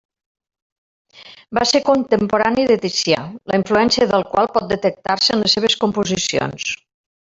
Va ser contemporani de Ticià, la influència del qual pot detectar-se en les seves composicions.